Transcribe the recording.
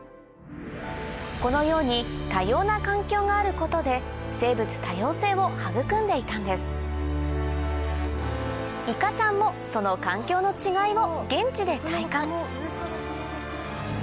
このように多様な環境があることで生物多様性を育んでいたんですいかちゃんもその環境の違いを現地で体感